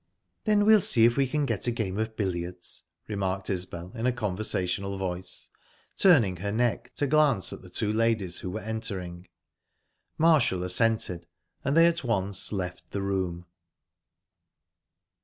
"Then we'll see if we can get a game of billiards," remarked Isbel in a conversational voice, turning her neck to glance at the two ladies who were entering. Marshall assented, and they at once left the room.